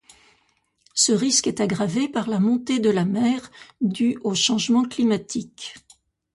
Ce risque est aggravé par la montée de la mer due au changement climatique.